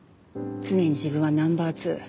常に自分はナンバー２。